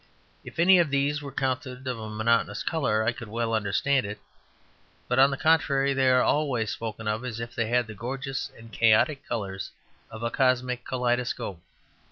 If any of these were counted of a monotonous colour I could well understand it; but on the contrary, they are always spoken of as if they had the gorgeous and chaotic colours of a cosmic kaleidoscope.